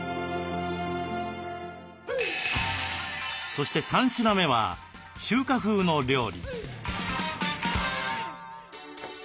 そして３品目は中華風の料理。